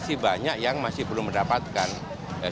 masih banyak yang masih belum mendapatkan